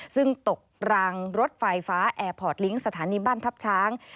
ซึ่งตกรางรถไฟฟ้าแอร์พอร์ตลิงก์สถานีบ้านทัพช้าง